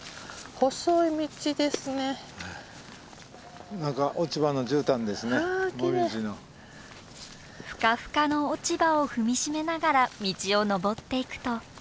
ふかふかの落ち葉を踏み締めながら道を登っていくと。